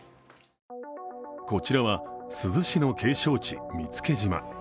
こちらは珠洲市の景勝地・見附島。